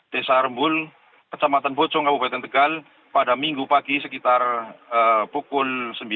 desa rembul kecamatan bojong kabupaten tegal pada minggu pagi sekitar pukul sembilan